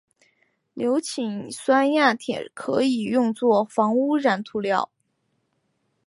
硫氰酸亚铜可以用作防污涂料。